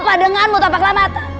kenapa denganmu capak lambatan